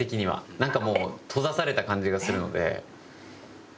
なんかもう閉ざされた感じがするので。